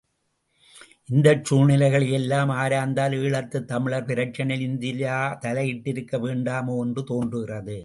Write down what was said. இந்தச் சூழ்நிலைகளையெல்லாம் ஆராய்ந்தால் ஈழத்துத் தமிழர் பிரச்சினையில் இந்தியா தலையிட்டிருக்க வேண்டாமோ என்று தோன்றுகிறது.